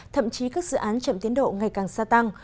thậm chí các dự án chậm tiến độ ngày càng xa tăng